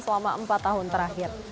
selama empat tahun terakhir